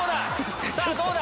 さぁどうだ？